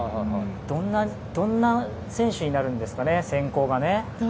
どんな選手になるんですか選考は。